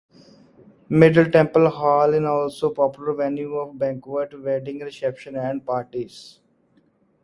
Middle Temple Hall is also a popular venue for banqueting, weddings, receptions and parties.